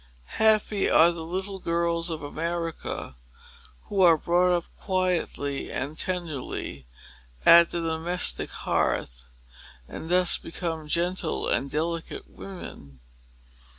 Happy are the little girls of America, who are brought up quietly and tenderly, at the domestic hearth, and thus become gentle and delicate women!